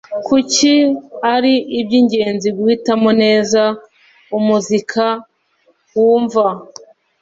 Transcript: Kuki ari iby’ ingenzi guhitamo neza umuzika wumva